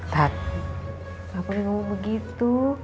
tat kenapa lu ngomong begitu